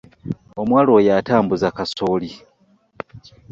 Omuwala oyo atambuza kasooli.